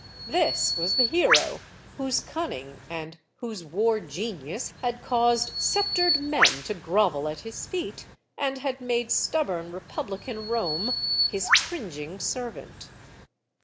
This was the hero whose cunning and whose war genius had caused sceptered men to grovel at his feet, and had made stubborn republican Rome his cringing servant.